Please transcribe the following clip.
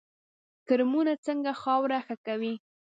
کرمونه څنګه خاوره ښه کوي؟